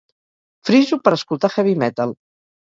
Friso per escoltar heavy metal.